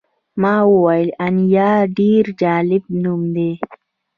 ما وویل انیلا ډېر جالب نوم دی